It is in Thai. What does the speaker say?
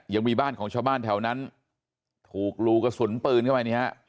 ยังมีบ้านของชาวบ้านแถวนั้นถูกรูกระสุนปืนเข้าไปเนี่ยฮะ